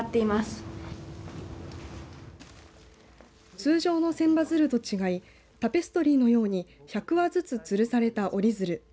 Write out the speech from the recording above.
通常の千羽鶴と違いタペストリーのように１００羽ずつつるされた折り鶴。